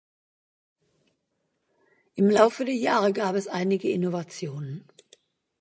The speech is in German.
Im Laufe der Jahre gab es einige Innovationen.